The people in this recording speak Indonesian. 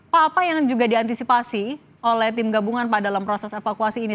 pak apa yang juga diantisipasi oleh tim gabungan pak dalam proses evakuasi ini